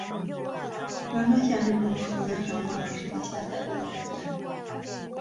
栾川县是中国河南省洛阳市的下辖一个县。